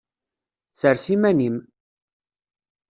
Sers iman-im!